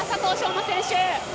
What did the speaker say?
馬選手